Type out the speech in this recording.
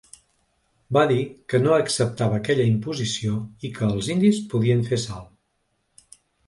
Va dir que no acceptava aquella imposició i que els indis podien fer sal.